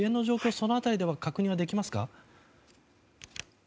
その辺りは確認できますか？